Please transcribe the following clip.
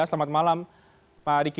selamat malam pak diki